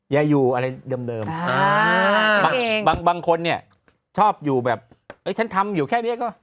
อย่าอยู่อะไรเดิมบางคนเนี่ยชอบอยู่แบบฉันทำอยู่แค่นี้ก็